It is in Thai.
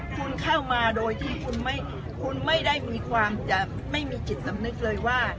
คุณเข้ามาโดยที่คุณไม่ได้มีความจะไม่มีจิตสำนึกเลยว่า